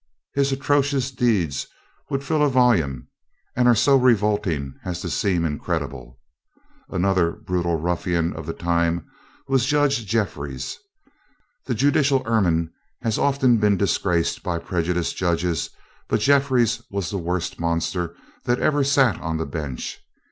His atrocious deeds would fill a volume, and are so revolting as to seem incredible. Another brutal ruffian of the time was Judge Jeffries. The judicial ermine has often been disgraced by prejudiced judges; but Jeffries was the worst monster that ever sat on the bench.